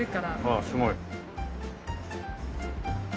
ああすごい。